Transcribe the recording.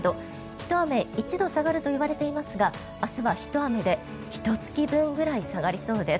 一雨一度下がるといわれていますが明日はひと雨で１月分ぐらい下がりそうです。